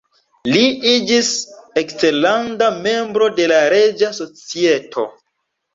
Li iĝis eksterlanda membro de la Reĝa Societo.